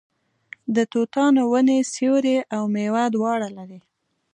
د توتانو ونې سیوری او میوه دواړه لري.